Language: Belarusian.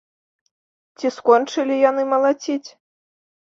Ці скончылі яны малаціць?